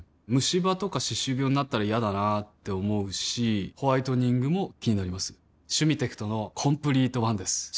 ムシ歯とか歯周病になったら嫌だなって思うしホワイトニングも気になります「シュミテクトのコンプリートワン」です